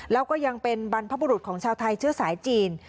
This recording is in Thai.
แล้วก็ยังเป็นบรรพบุรุษของชาวไทยเชื้อสายจีน